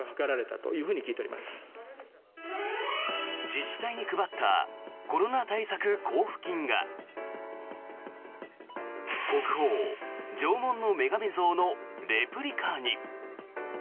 自治体に配ったコロナ対策交付金が国宝、縄文の女神像のレプリカに。